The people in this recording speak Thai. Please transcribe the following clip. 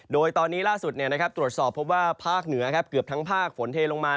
โดยตอนนี้ล่าสุดตรวจสอบพบว่าภาคเหนือเกือบทั้งภาคฝนเทลงมา